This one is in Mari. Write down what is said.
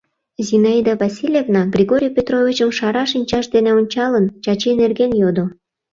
— Зинаида Васильевна, Григорий Петровичым шара шинчаж дене ончалын, Чачи нерген йодо.